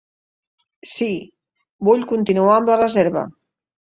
Sí, vull continuar amb la reserva.